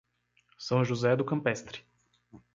São José do Campestre